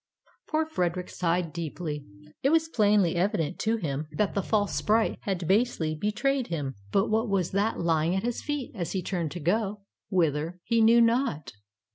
Poor Frederick sighed deeply. It was plainly evident to him that the false sprite had basely betrayed him. But what was that lying at his feet, as he turned to go — whither, he knew not